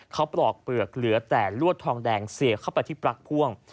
เขาปลอกเปลือกเหลือแต่ลวดทองแดงเสียเข้าไปที่ปลั๊กพ่วง